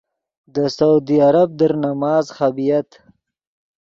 دے سعودی عرب در نماز خبییت۔